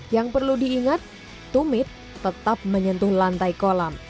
yang perlu diingat tumit tetap menyentuh lantai kolam